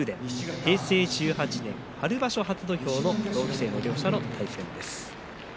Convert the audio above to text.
平成１８年春場所、初土俵の同期生の両者の対戦です。